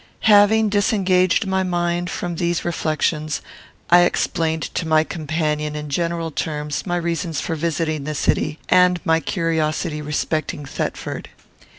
Having disengaged my mind from these reflections, I explained to my companion, in general terms, my reasons for visiting the city, and my curiosity respecting. Thetford.